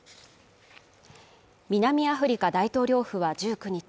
南アフリカ大統領府は１９日